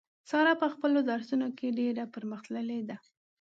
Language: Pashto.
ساره په خپلو درسو نو کې ډېره پر مخ تللې ده.